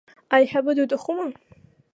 Аиҳабы, дуҭахума.